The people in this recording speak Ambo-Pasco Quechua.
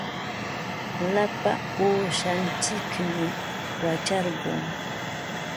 Lapa uushantsikmi wacharqun.